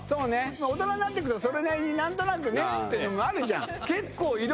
大人になってくとそれなりに何となくねってあるじゃん。